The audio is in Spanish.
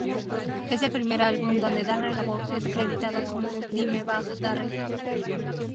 Es el primer álbum donde Darrell Abbott es acreditado como "Dimebag Darrell".